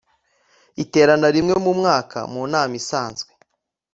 iterana rimwe mu mwaka mu nama isanzwe